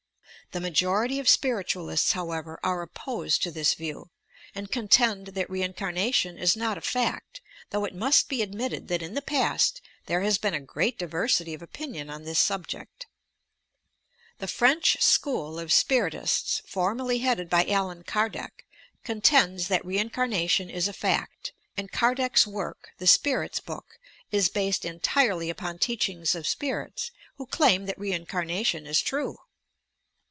The majority of spirit ualists, however, are opposed to this view, and contend that reincarnation is not a fact, though it must be ad mitted that in the past there has been a great diversity of opinion on this subject. The French School of Spirit ists, formerly headed by Allan Kardec, contends that reincarnation is a fact, and Kardec 's work "The Spirit's Book" is based entirely upon teachings of spirits, who claim that reincarnation is true!